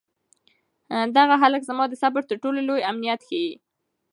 دغه هلک زما د صبر تر ټولو لوی ازمېښت دی.